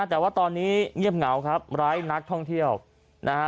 แต่ว่าตอนนี้เงียบเหงาครับร้ายนักท่องเที่ยวนะฮะ